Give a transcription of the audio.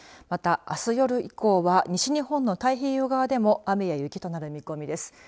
また、あす夜以降は西日本の太平洋側でも雨や雪となる見込みです。